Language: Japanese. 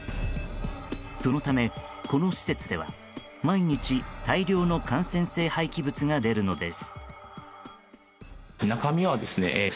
そのため、この施設では毎日、大量の感染性廃棄物が出るのです。